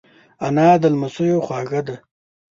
انا د لمسیو خواږه ده